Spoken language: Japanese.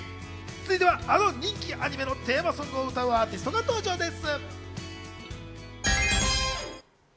続いてはあの人気アニメのテーマソングを歌うアーティストが登場です。